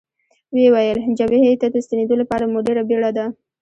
ویې ویل: جبهې ته د ستنېدو لپاره مو ډېره بېړه ده.